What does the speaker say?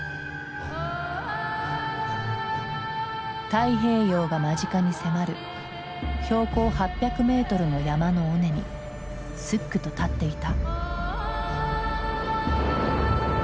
太平洋が間近に迫る標高８００メートルの山の尾根にすっくと立っていた。